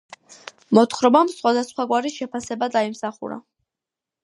მოთხრობამ სხვადასხვაგვარი შეფასება დაიმსახურა.